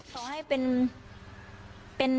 ต้องให้เป็น